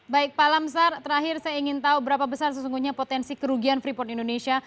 baik pak lamsar terakhir saya ingin tahu berapa besar sesungguhnya potensi kerugian freeport indonesia